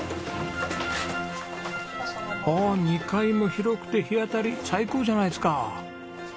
おお２階も広くて日当たり最高じゃないですか！